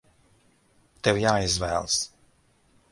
Tev jāizvēlas!